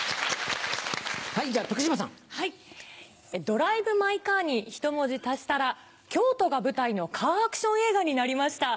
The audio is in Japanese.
『ドライブ・マイ・カー』にひと文字足したら京都が舞台のカーアクション映画になりました。